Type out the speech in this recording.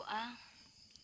dan dia berkata